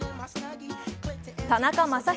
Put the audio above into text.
田中将大